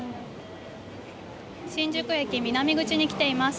新宿駅南口に来ています。